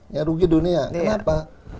ini rugi dunia kenapa